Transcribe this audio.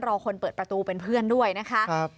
รอคนเปิดประตูเป็นเพื่อนด้วยนะคะ